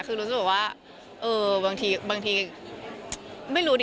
คือรู้สึกว่าบางทีไม่รู้ดิ